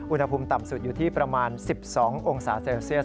อุณหภูมิต่ำสุดอยู่ที่ประมาณ๑๒องศาเซลเซียส